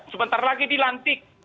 sebentar lagi dilantik